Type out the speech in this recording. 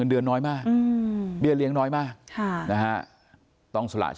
เหมือนกับทุกครั้งกลับบ้านมาอย่างปลอดภัย